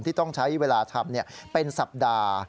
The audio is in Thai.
ที่ต้องใช้เวลาทำเป็นสัปดาห์